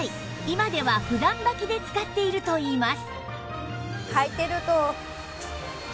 今では普段ばきで使っているといいます